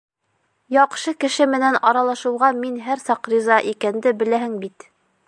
Яҡшы кеше менән аралашыуға мин һәр саҡ риза икәнде беләһең бит.